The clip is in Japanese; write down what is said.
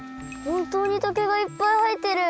ほんとうに竹がいっぱいはえてる！